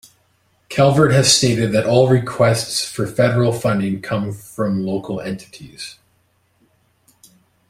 Calvert has stated that all requests for federal funding come from local entities.